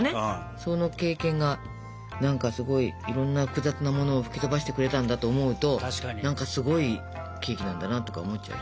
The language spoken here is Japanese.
その経験が何かすごいいろんな複雑なものを吹き飛ばしてくれたんだと思うと何かすごいケーキなんだなとか思っちゃう。